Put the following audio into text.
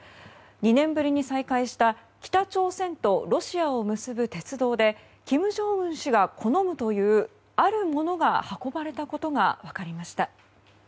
２年ぶりに再開した北朝鮮とロシアを結ぶ鉄道で金正恩氏が好むというあるものが運ばれたことが分かりました。